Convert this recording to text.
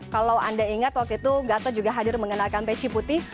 kalau anda ingat waktu itu gatot juga hadir mengenalkan peci putih